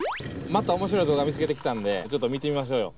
また面白い動画見つけてきたんでちょっと見てみましょうよ。